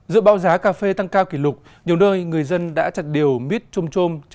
giữa bão giá cà phê tăng cao kỷ lục nhiều nơi người dân đã chặt điều mít